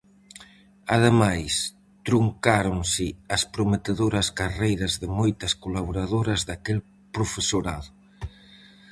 Ademais truncáronse as prometedoras carreiras de moitas colaboradoras daquel profesorado.